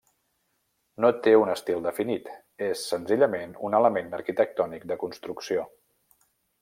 No té un estil definit, és senzillament un element arquitectònic de construcció.